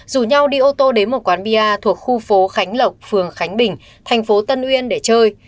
rủ nhau đi ô tô đến một quán bia thuộc khu phố khánh lộc phường khánh bình thành phố tân uyên để chơi